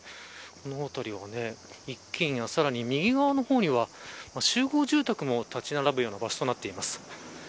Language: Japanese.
この辺りは一軒家さらに右側の方には集合住宅も立ち並ぶような場所となっています。